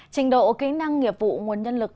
trình độ kỹ năng nghiệp vụ nguồn nhân lực